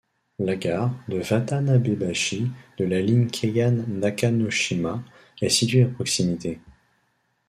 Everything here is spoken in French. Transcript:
La gare de Watanabebashi de la ligne Keihan Nakanoshima est située à proximité.